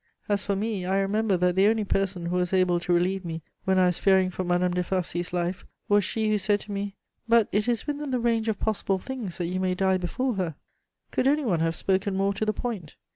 As for me, I remember that the only person who was able to relieve me when I was fearing for Madame de Farcy's life was she who said to me, 'But it is within the range of possible things that you may die before her.' Could any one have spoken more to the point?